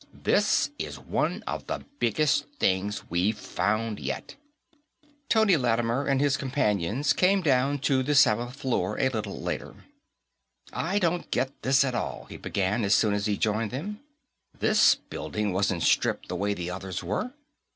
This is one of the biggest things we've found yet." Tony Lattimer and his companions came down to the seventh floor a little later. "I don't get this, at all," he began, as soon as he joined them. "This building wasn't stripped the way the others were.